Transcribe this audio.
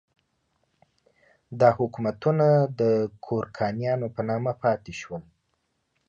دا حکومتونه د ګورکانیانو په نامه پاتې شول.